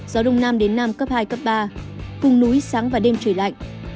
gió đông nam đến nam cấp hai ba cùng núi sáng và đêm trời lạnh